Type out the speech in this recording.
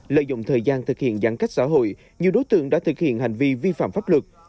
lợi dụng thời gian thực hiện giãn cách xã hội nhiều đối tượng đã thực hiện hành vi vi phạm pháp luật